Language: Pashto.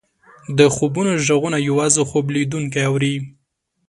د خوبونو ږغونه یوازې خوب لیدونکی اوري.